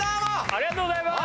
ありがとうございます！